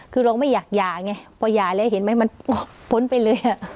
คือเราไม่อยากหย่าไงพอหย่าแล้วเห็นไหมมันพ้นไปเลย